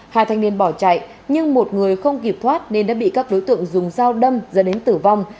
hai thanh niên bỏ chạy nhưng một người không kịp thoát nên đã bị các đối tượng dùng dao đâm dẫn đến tử vong